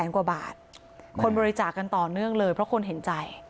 กว่าบาทคนบริจาคกันต่อเนื่องเลยเพราะคนเห็นใจ